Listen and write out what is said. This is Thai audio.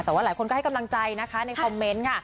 แต่ว่าหลายคนก็ให้กำลังใจนะคะในคอมเมนต์ค่ะ